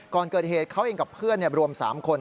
ก่อนเกิดเหตุเขาเองกับเพื่อนรวม๓คน